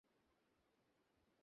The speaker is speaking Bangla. আমি সত্যিই খুব অনুতপ্ত।